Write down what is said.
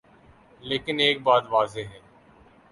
لیکن ایک بات واضح ہے۔